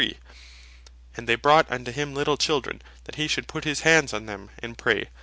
19.13.) "they brought unto him little children, that hee should Put his Hands on them, and Pray."